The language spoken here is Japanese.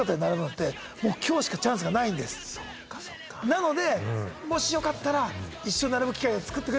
「なのでもしよかったら」。